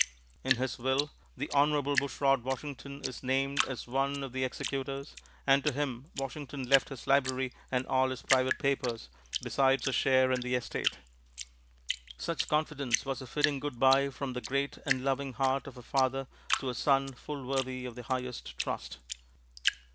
In his will the "Honorable Bushrod Washington" is named as one of the executors, and to him Washington left his library and all his private papers, besides a share in the estate. Such confidence was a fitting good by from the great and loving heart of a father to a son full worthy of the highest trust.